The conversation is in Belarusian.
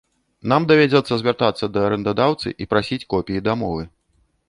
Нам давядзецца звяртацца да арэндадаўцы і прасіць копіі дамовы.